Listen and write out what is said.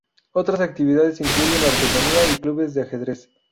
Otras actividades incluyen artesanía y clubes de ajedrez.